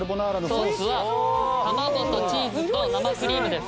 ソースは卵とチーズと生クリームです。